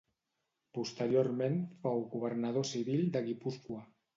Posteriorment fou governador civil de Guipúscoa.